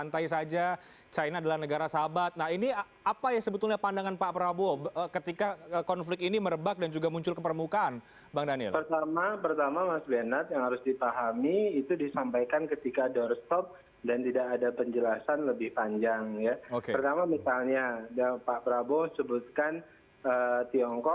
terima kasih pak prabowo